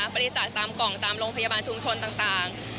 บริจาคตามกล่องตามโรงพยาบาลชุมชนต่าง